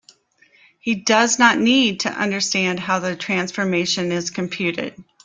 He does not need to understand how the transformation is computed.